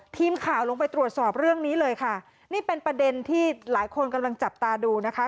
ตอบเรื่องนี้เลยค่ะนี่เป็นประเด็นที่หลายคนกำลังจับตาดูนะคะ